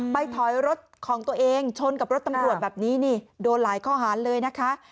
ถอยรถของตัวเองชนกับรถตำรวจแบบนี้นี่โดนหลายข้อหารเลยนะคะ